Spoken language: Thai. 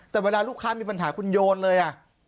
แต่เวลาลูกค้ามีปัญหาคุณโยนเลย